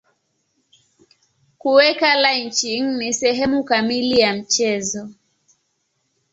Kuweka lynching ni sehemu kamili ya mchezo.